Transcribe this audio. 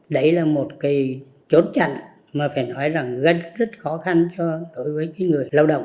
đấy là một cái chốn chặn mà phải nói rằng rất khó khăn cho người lao động